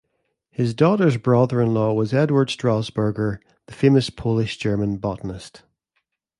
His daughter's brother-in-law was Eduard Strasburger, the famous Polish-German botanist.